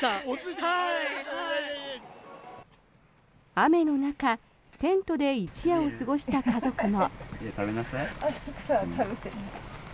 雨の中テントで一夜を過ごした家族も。